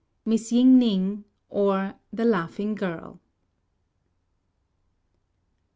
MISS YING NING; OR, THE LAUGHING GIRL.